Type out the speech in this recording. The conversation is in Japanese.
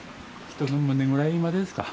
人の胸ぐらいまでですか。